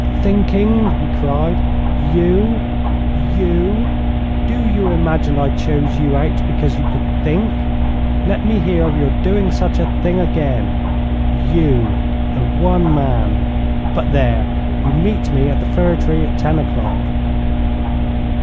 'Thinking!' he cried. 'You, you! Do you imagine I chose you out because you could think? Let me hear of your doing such a thing again! You, the one man but, there! You meet me at the fir tree at ten o'clock.'